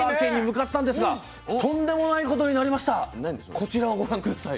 こちらをご覧下さい。